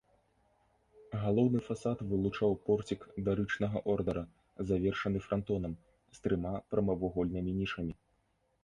Галоўны фасад вылучаў порцік дарычнага ордара, завершаны франтонам, з трыма прамавугольнымі нішамі.